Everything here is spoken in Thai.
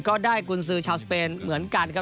กุญสือชาวสเปนเหมือนกันครับ